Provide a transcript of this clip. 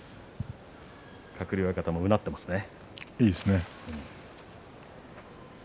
鶴竜親方もうなっていますね。